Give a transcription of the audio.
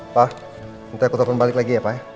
pak nanti aku telfon balik lagi ya pak ya